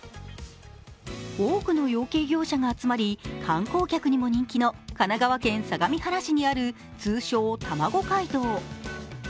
多くの養鶏業者が集まり観光客にも人気の神奈川県相模原市にある通称・たまご街道。